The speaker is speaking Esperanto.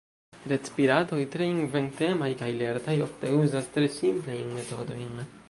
Retpiratoj, tre inventemaj kaj lertaj, ofte uzas tre simplajn metodojn.